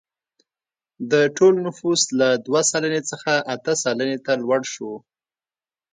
د ټول نفوس له دوه سلنې څخه اته سلنې ته لوړ شو.